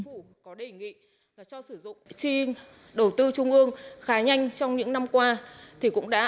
chính phủ có đề nghị cho sử dụng trì đầu tư trung ương khá nhanh trong những năm qua